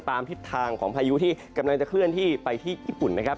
ทิศทางของพายุที่กำลังจะเคลื่อนที่ไปที่ญี่ปุ่นนะครับ